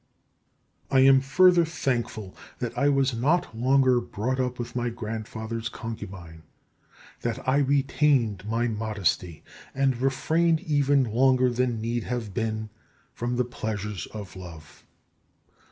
I am further thankful that I was not longer brought up with my grandfather's concubine, that I retained my modesty, and refrained even longer than need have been from the pleasures of love.